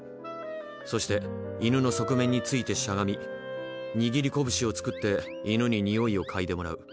そして犬の側面についてしゃがみ握りこぶしを作って犬ににおいを嗅いでもらう。